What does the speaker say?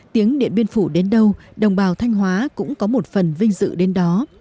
tiếng điện biên phủ đến đâu đồng bào thanh hóa cũng có một phần vinh dự đến đó